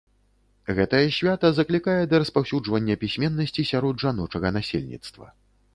Гэтае свята заклікае да распаўсюджвання пісьменнасці сярод жаночага насельніцтва.